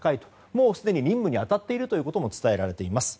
もうすでに任務に当たっているということも伝えられています。